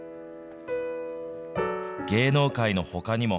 芸能界のほかにも、